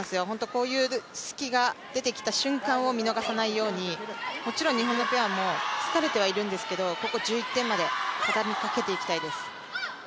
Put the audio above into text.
こういう好きが出てきた瞬間を見逃さないように、もちろん日本のペアも疲れてはいるんですけれども、ここ１１点までたたみかけていきたいです。